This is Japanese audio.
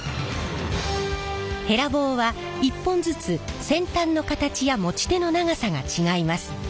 へら棒は１本ずつ先端の形や持ち手の長さが違います。